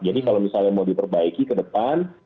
jadi kalau misalnya mau diperbaiki ke depan